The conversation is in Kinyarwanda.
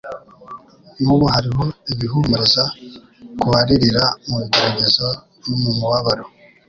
N'ubu hariho ibihumuriza ku baririra mu bigeragezo no mu mubabaro.